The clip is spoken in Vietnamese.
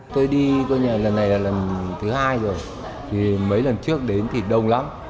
tôi đi lần này là lần thứ hai rồi thì mấy lần trước đến thì đông lắm